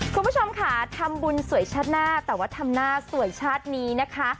คุณผู้ชมค่ะทำบุญสวยชาติหน้าแต่ว่าทำหน้าสวยชาตินี้นะคะ